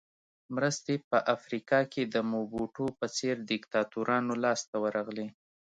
مرستې په افریقا کې د موبوټو په څېر دیکتاتورانو لاس ته ورغلې.